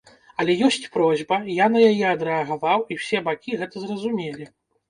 Але ёсць просьба, я на яе адрэагаваў, і ўсе бакі гэта зразумелі.